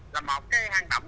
là một cái hang động